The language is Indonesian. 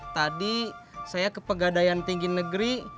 tadi saya ke pegadaian tinggi negeri